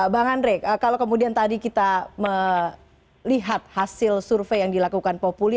bang andre kalau kemudian tadi kita melihat hasil survei yang dilakukan populi